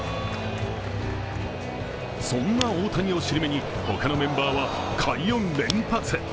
そんな大谷を尻目に他のメンバーは快音連発。